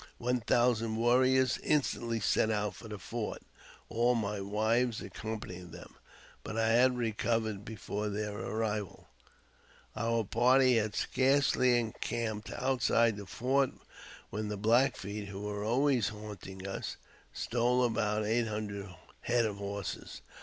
One thousand brriors instantly set out for the fort, all my wives accom mying them ; but I had recovered before their arrival. I 310 AUTOBIOGBAPHY OF Our party had scarcely encamped outside the fort, when the Black Feet, who were always haunting us, stole about eight hundred head of horses.